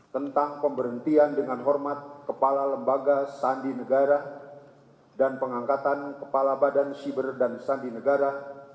tentang pemberhentian dengan hormat kepala lembaga sandi negara dan pengangkatan kepala badan siber dan sandi negara